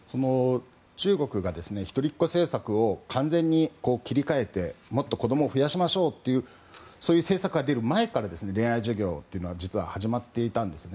中国が一人っ子政策を完全に切り替えてもっと子供を増やしましょうという政策が出る前から恋愛授業というのは実は始まっていたんです。